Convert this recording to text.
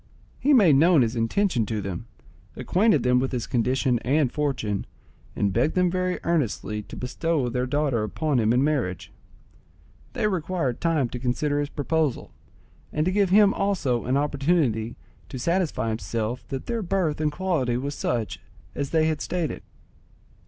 He made known his intention to them, acquainted them with his condition and fortune, and begged them very earnestly to bestow their daughter upon him in marriage. They required time to consider his proposal, and to give him also an opportunity to satisfy himself that their birth and quality was such as they had stated.